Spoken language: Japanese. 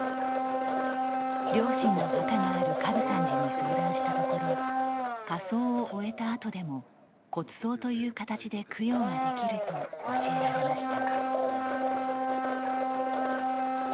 両親の墓がある神峯山寺に相談したところ火葬を終えたあとでも骨葬という形で供養ができると教えられました。